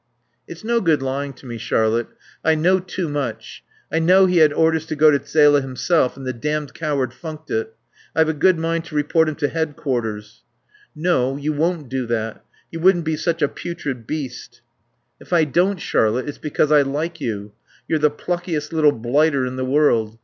"It's no good lying to me, Charlotte. I know too much. I know he had orders to go to Zele himself and the damned coward funked it. I've a good mind to report him to Head Quarters." "No. You won't do that. You wouldn't be such a putrid beast." "If I don't, Charlotte, it's because I like you. You're the pluckiest little blighter in the world.